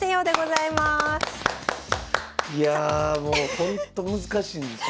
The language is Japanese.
いやもうほんと難しいんですよ